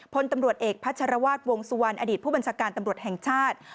พลตำรวจเอกพัชรวาสวงสุวรรณอดีตผู้บัญชาการตำรวจแห่งชาติ